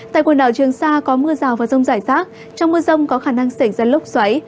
tại quần đảo trường sa có mưa rào và rông rải rác trong mưa rông có khả năng xảy ra lốc xoáy